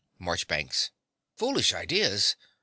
MARCHBANKS. Foolish ideas!